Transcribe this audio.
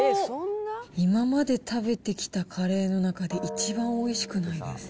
今まで食べてきたカレーの中で、一番おいしくないです。